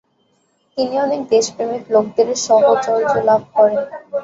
তিনি অনেক দেশপ্রেমিক লোকদের সাহচর্য লাভ করেন ।